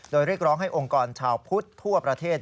โดยเรียกร้องให้องค์กรชาวพุทธทั่วประเทศ